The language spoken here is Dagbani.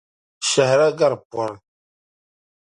Shɛhira gari pɔri.